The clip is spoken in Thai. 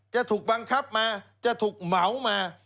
จะถูกบังคับมาจะถูกเหมามา